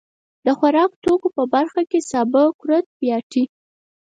د خوراکتوکو په برخه کې سابه، کورت، پياټي.